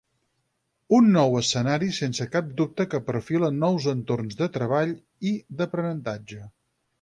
Un nou escenari sense cap dubte que perfila nous entorns de treball i d’aprenentatge.